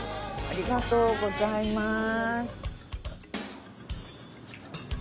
ありがとうございます。